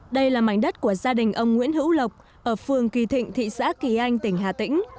đây là mảnh đất của gia đình ông nguyễn hữu lộc ở phường kỳ thịnh thị xã kỳ anh tỉnh hà tĩnh